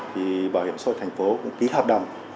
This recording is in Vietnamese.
thì bảo hiểm xã hội thành phố cũng ký hợp đồng